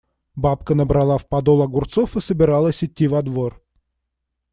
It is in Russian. Бабка набрала в подол огурцов и собиралась идти во двор.